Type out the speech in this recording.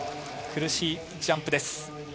苦しいジャンプです。